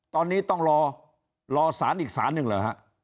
ตอนนี้ต้องรอรอสารอีกสารหนึ่งเหรอฮะ